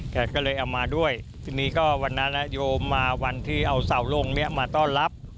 แกก็เลยเอามาด้วยทีนี้ก็วันนั้นโยมมาวันที่เอาเสาลงเนี่ยมาต้อนรับ